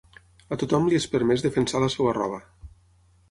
A tothom li és permès defensar la seva roba.